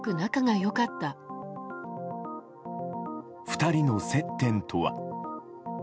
２人の接点とは。